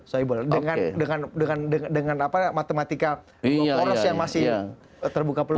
so ibu dengan matematika horos yang masih terbuka peluang